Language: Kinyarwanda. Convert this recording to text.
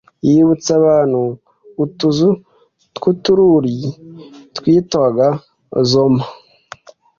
yibutsa abantu utuzu tw'utururi twitwaga Zomaï,